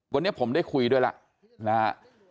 วันนี้ผมได้คุยด้วยแล้วนะฮะ